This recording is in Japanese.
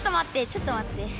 ちょっとまって。